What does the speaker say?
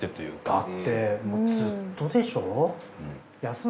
だってもうずっとでしょ？